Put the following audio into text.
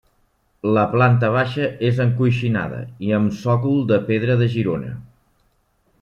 La planta baixa és encoixinada i amb sòcol de pedra de Girona.